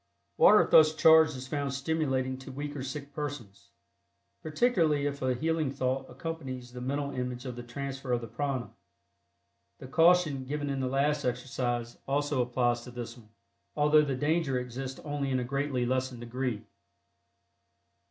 Water thus charged is found stimulating to weak or sick persons, particularly if a healing thought accompanies the mental image of the transfer of the prana. The caution given in the last exercise applies also to this one, although the danger exists only in a greatly lessened degree.